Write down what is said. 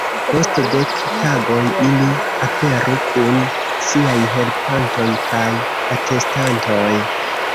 Post dek tagoj ili aperu kun siaj helpantoj kaj atestantoj!